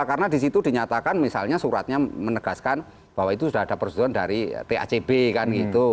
karena disitu dinyatakan misalnya suratnya menegaskan bahwa itu sudah ada persoalan dari tacb kan gitu